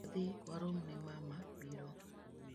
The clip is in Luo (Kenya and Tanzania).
Wadhi waromne mama biro.